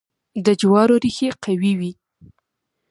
د جوارو ریښې قوي وي.